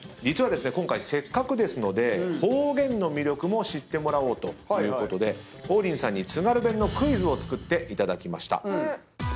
実はですね今回せっかくですので方言の魅力も知ってもらおうということで王林さんに津軽弁のクイズを作っていただきました。